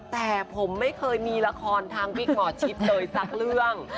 แต่ผมไม่เคยมีละครทางวิกหมอชิดเลยสักเรื่อง